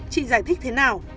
chị giải thích thế nào